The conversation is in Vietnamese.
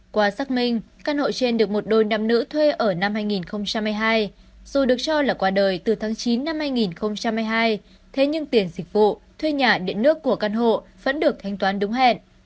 qua xác minh căn hộ trên được một đôi nam nữ thuê ở năm hai nghìn hai mươi hai dù được cho là qua đời từ tháng chín năm hai nghìn hai mươi hai thế nhưng tiền dịch vụ thuê nhà điện nước của căn hộ vẫn được thanh toán đúng hẹn